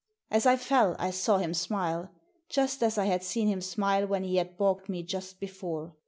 As I fell I saw him smile — just as I had seen him smile when he had baulked me just before.